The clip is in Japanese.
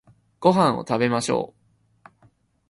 ご飯を食べましょう